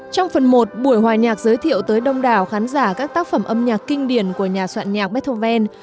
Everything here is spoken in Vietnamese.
trong phần một buổi hòa nhạc giới thiệu tới đông đảo khán giả các tác phẩm âm nhạc kinh điển của nhà soạn nhạc beethoven